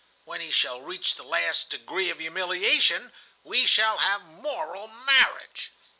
When he shall reach the last degree of humiliation, we shall have moral marriage.